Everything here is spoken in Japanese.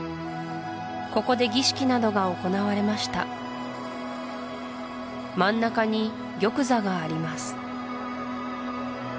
ここで儀式などが行われました真ん中に玉座があります